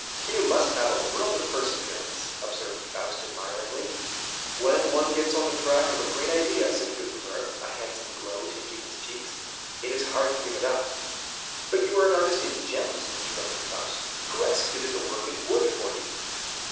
"You must have a world of perseverance!" observed Faust, admiringly. "When one gets on the track of a great idea," said Gutenberg, a handsome glow tinging his cheeks, "it is hard to give it up." "But you are an artist in gems," interrupted Faust. "Who executed the work in wood for you?"